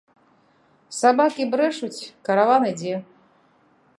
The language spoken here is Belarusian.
Сабакі брэшуць, караван ідзе!